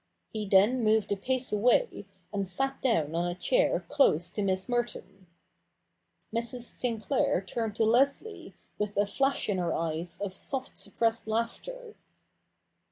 He then moved a pace away, and sat down on a chair close to Miss Merton. Mrs. Sinclair turned to Leslie, with a flash in her eyes of soft suppressed laughter.